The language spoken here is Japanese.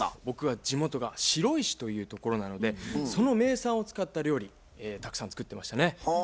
僕は地元が白井市というところなのでその名産を使った料理たくさん作ってましたね。